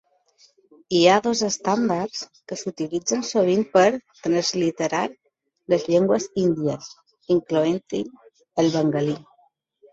Hi ha dos estàndards que s'utilitzen sovint per transliterar les llengües índies, incloent-hi el bengalí.